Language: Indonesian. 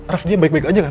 raff dia baik baik aja kan